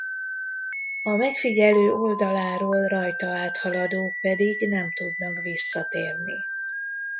A megfigyelő oldaláról rajta áthaladók pedig nem tudnak visszatérni.